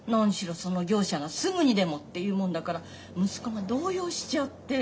その業者がすぐにでもって言うもんだから息子が動揺しちゃって。